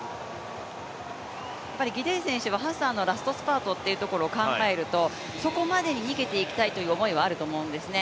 ギデイ選手はハッサン選手のラストスパートを考えるとそこまでに逃げていきたいっていう思いはあると思うんですね。